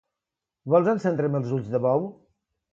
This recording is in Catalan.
Vols encendre'm els ulls de bou?